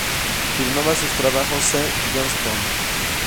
Firmaba sus trabajos C. Johnston.